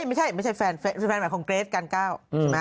ไม่ใช่แฟนใหม่ของเลสกัลก้าว